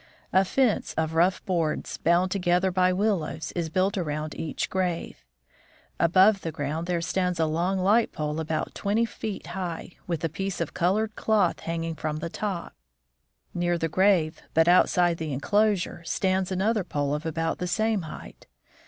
A fence of rough boards, bound together by willows, is built around each grave. Above the grave there stands a long, light pole about twenty feet high, with a piece of colored cloth hanging from the top. Near the grave, but outside the inclosure, stands another pole of about the same height.